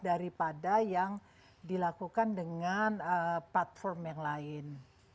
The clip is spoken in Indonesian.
daripada yang dilakukan dengan platform yang lain